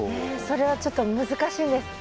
それはちょっと難しいんですか？